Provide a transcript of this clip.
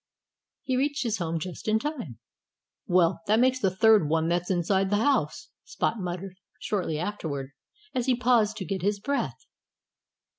He reached his home just in time. "Well, that makes the third one that's inside the house," Spot muttered, shortly afterward, as he paused to get his breath.